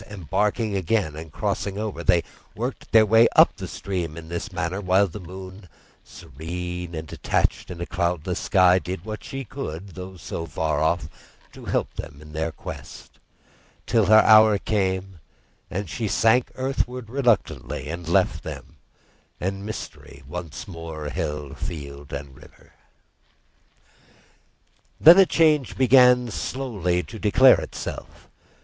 Embarking again and crossing over, they worked their way up the stream in this manner, while the moon, serene and detached in a cloudless sky, did what she could, though so far off, to help them in their quest; till her hour came and she sank earthwards reluctantly, and left them, and mystery once more held field and river. Then a change began slowly to declare itself.